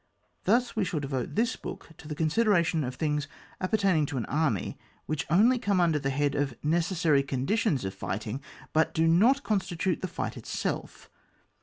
Thus we shall devote this book to the consideration of things appertaining to an army, which only come under the head of necessary conditions of fighting ^ but do not constitute the fight itself.